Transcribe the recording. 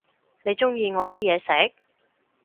你鍾意我啲嘢食？